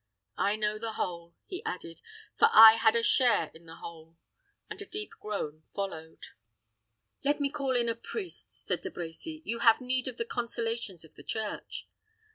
"I know the whole," he added, "for I had a share in the whole," and a deep groan followed. "Let me call in a priest," said De Brecy. "You have need of the consolations of the Church."